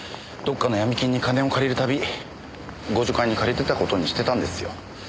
どっかのヤミ金に金を借りるたび互助会に借りてた事にしてたんですよ。